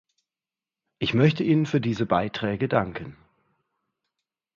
Ich möchte Ihnen für diese Beiträge danken.